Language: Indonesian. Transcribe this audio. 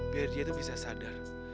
biar dia itu bisa sadar